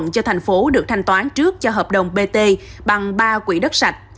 cho thành phố được thanh toán trước cho hợp đồng bt bằng ba quỹ đất sạch